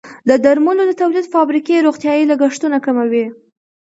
د درملو د تولید فابریکې روغتیايي لګښتونه کموي.